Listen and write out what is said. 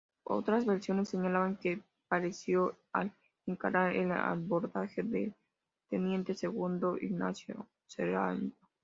Otras versiones señalan que pereció al encarar el abordaje del teniente segundo Ignacio Serrano.